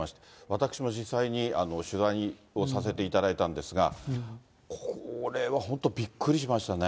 私も実際に取材をさせていただいたんですが、これは本当びっくりしましたね。